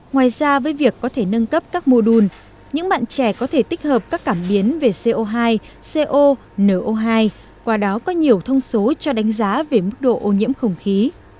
ngoài ra với việc có thể nâng cấp các mô đun những bạn trẻ có thể tích hợp các cảm biến về co hai co no hai qua đó có nhiều thông số cho đánh giá về mức độ ô nhiễm không khí